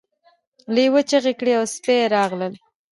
لیوه چیغې کړې او سپي راغلل.